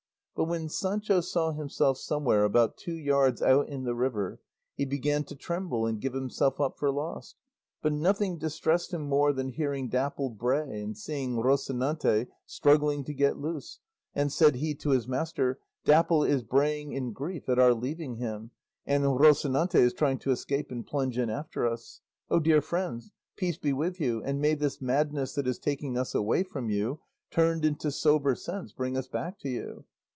But when Sancho saw himself somewhere about two yards out in the river, he began to tremble and give himself up for lost; but nothing distressed him more than hearing Dapple bray and seeing Rocinante struggling to get loose, and said he to his master, "Dapple is braying in grief at our leaving him, and Rocinante is trying to escape and plunge in after us. O dear friends, peace be with you, and may this madness that is taking us away from you, turned into sober sense, bring us back to you."